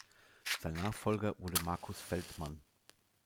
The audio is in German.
Sein Nachfolger wurde Markus Feldmann.